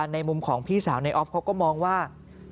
ในมุมของพี่สาวในออฟเขาก็มองว่า